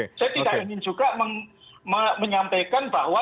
saya tidak ingin juga menyampaikan bahwa